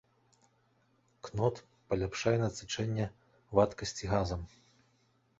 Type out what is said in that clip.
Кнот паляпшае насычэнне вадкасці газам.